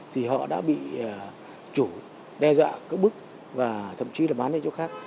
thì họ đã bị chủ đe dọa các bước và thậm chí là bán ở chỗ khác